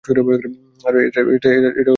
আর এটা তোমার পুরস্কার।